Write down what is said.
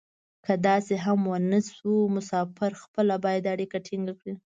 که داسې هم و نه شو مسافر خپله باید اړیکې ټینګې کړي.